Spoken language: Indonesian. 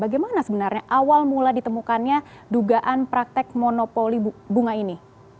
bagaimana sebenarnya awal mula ditemukannya dugaan praktek monopoli bunga ini